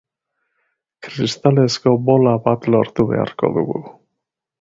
Kristalezko bola bat lortu beharko dugu.